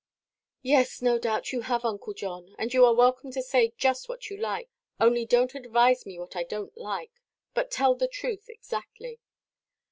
"Yes, no doubt you have, Uncle John. And you are welcome to say just what you like; only donʼt advise me what I donʼt like; but tell the truth exactly."